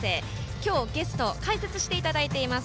きょうゲスト解説していただいています